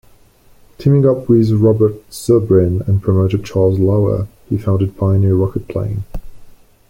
Teaming up with Robert Zubrin and promoter Charles Lauer, he founded Pioneer Rocketplane.